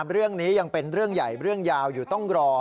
เรื่องนี้ยังเป็นเรื่องใหญ่เรื่องยาวอยู่ต้องรอ